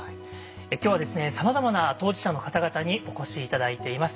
今日はさまざまな当事者の方々にお越し頂いています。